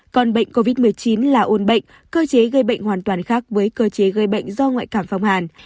còn bệnh covid một mươi chín là ôn bệnh cơ chế gây bệnh hoàn toàn khác với cơ chế gây bệnh do ngoại cảm phong hàn